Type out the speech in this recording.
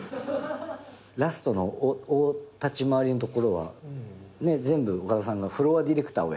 ラストの大立ち回りのところは全部岡田さんがフロアディレクターをやってくれて。